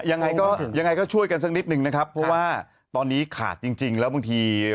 ยังไงก็ยังไงก็ช่วยกันสักนิดนึงนะครับเพราะว่าตอนนี้ขาดจริงแล้วบางที